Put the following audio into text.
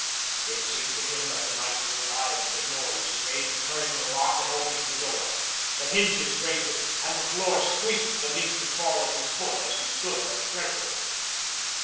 It seemed to him that the night was alive with the noise he made in turning the lock and opening the door. The hinges grated and the floor squeaked beneath the fall of his foot as he stood at the threshold.